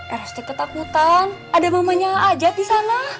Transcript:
eros ketakutan ada mamanya ajad di sana